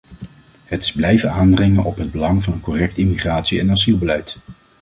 Het is blijven aandringen op het belang van een correct immigratie- en asielbeleid.